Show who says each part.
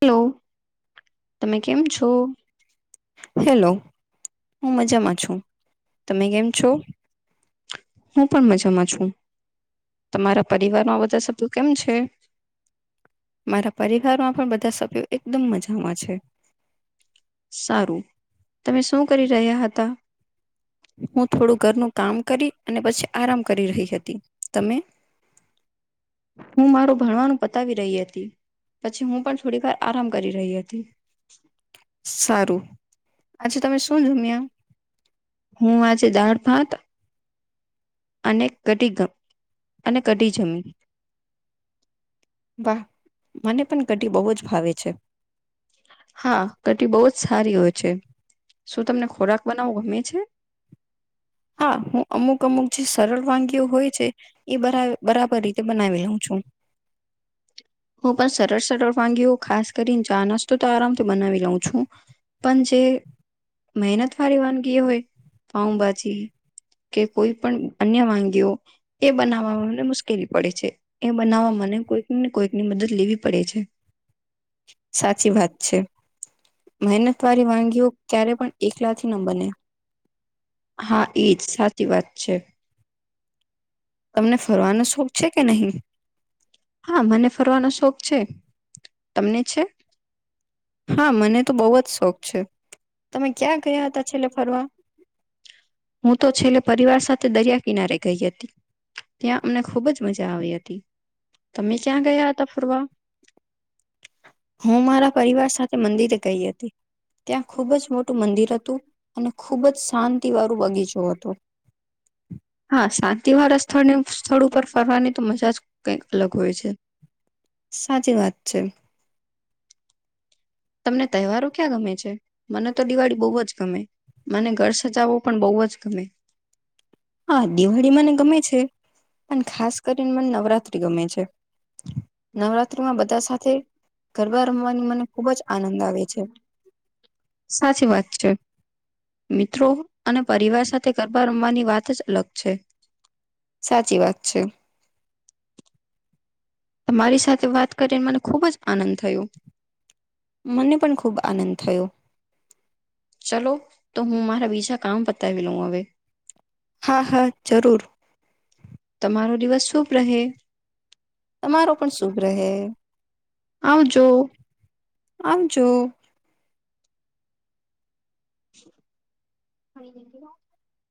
Speaker 1: Hello, તમે કેમ છો? હું પણ મજામાં છું. તમારા પરિવારમાં બધા સભ્યો કેમ છે?
Speaker 2: મારા પરિવારમાં પણ બધા સભ્યો એકદમ મજામાં છે. હું થોડું ઘરનું કામ કરી અને પછી આરામ કરી રહી હતી. તમે?
Speaker 1: હું મારું ભણવાનું બતાવી રહી હતી. પછી હું પણ થોડીક વાર આરામ કરી રહી હતી. [inaudible]
Speaker 2: સારું આજે તમે શું જમ્યા?
Speaker 1: હું આજે દાળ ભાત અને કઢી [unintelligible] અને કઢી જમી. હા કઢી બહું જ સારી હોય છે. શું તમને ખોરાક બનાવો ગમે છે?
Speaker 2: હા હું અમુક-અમુક જે સરળ વાનગીઓ હોય છે એ બરા બરાબર રીતે બનાવી લઉં છું.
Speaker 1: હું પણ સરળ-સરળ વાનગી ખાસ કરીને ચાનસ તો-તો આરામથી બનાવી લઉં છું. પણ જે મહેનત વાળી વાનગી હોય પાઉભાજી કે કોઈ પણ અન્ય વાનગીઓ એ બનાવવામાં મને મુશ્કેલી પડે છે. એ બનાવવામાં મને કોઈક ને કોઈક લેવી પડે છે.
Speaker 2: સાચી વાત છે.
Speaker 1: હા એજ સાચી વાત છે.
Speaker 2: તમને ફરવાનો શોખ છે કે નહીં?
Speaker 1: તમને છે? હું તો છેલ્લે પરિવાર સાથે દરિયા કિનારે ગઈ હતી. ત્યાં અમને ખૂબ જ મજા આવી હતી. તમે ક્યા ગયા હતા ફરવા? હા શાંતિ વાળા સ્થળ ઉપર ફરવાની તો મજા જ કઈ
Speaker 2: સાચી વાત છે.
Speaker 1: તમને તહેવારો ક્યાં ગમે છે? મને તો દિવાળી બહુ જ ગમે, મને ઘર સજાવવું પણ બહુ જ ગમે.
Speaker 2: હા દિવાળી મને ગમે છે. પણ ખાસ કરીને મને નવરાત્રી ગમે છે. નવરાત્રી માં બધા સાથે ગરબા રમવાની મને ખૂબ જ આનંદ આવે છે.
Speaker 1: મિત્રો અને પરિવાર સાથે ગરબા રમવાની વાત જ અલગ છે.
Speaker 2: સાચી વાત છે.
Speaker 1: તમારી સાથે વાત કરીને મને ખૂબ જ આનંદ થયુ
Speaker 2: મને પણ ખૂબ આનંદ થયો. હા હા જરૂર.
Speaker 1: તમારો દિવસ શુભ રહે. [inaudible] આવજો.
Speaker 2: આવજો.
Speaker 1: [inaudible]